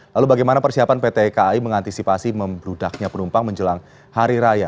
lalu bagaimana persiapan pt kai mengantisipasi membrudaknya penumpang menjelang hari raya